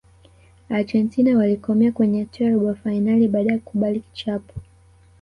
argentina walikomea kwenye hatua ya robo fainali baada ya kukubali kichapo